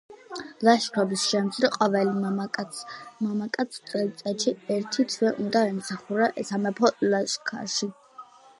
ლაშქრობის შემძლე ყოველ მამაკაცს წელიწადში ერთი თვე უნდა ემსახურა სამეფო ლაშქარში.